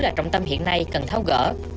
là trọng tâm hiện nay cần thao gỡ